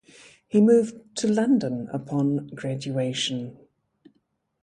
He moved to London upon graduation.